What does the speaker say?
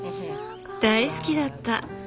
大好きだった。